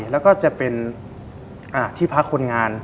แล้วก็จะเป็นที่พักคนงาน